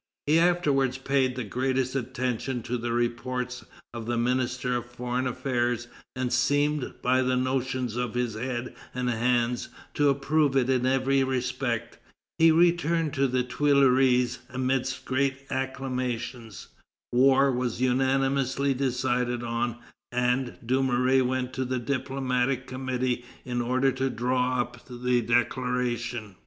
He afterwards paid the greatest attention to the report of the Minister of Foreign Affairs, and seemed, by the motions of his head and hands, to approve it in every respect. He returned to the Tuileries amidst general acclamations. War was unanimously decided on, and Dumouriez went to the diplomatic committee in order to draw up the declaration.